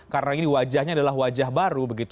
karena ini wajahnya adalah wajah baru begitu